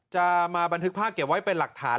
จะมาบันทึกภาพเก็บไว้เป็นหลักฐาน